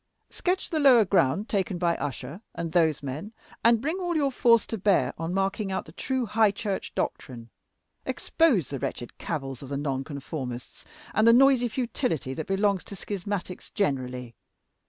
Sketch the lower ground taken by Usher and those men, but bring all your force to bear on marking out the true High Church doctrine. Expose the wretched cavils of the Noncomformists, and the noisy futility that belongs to schismatics generally.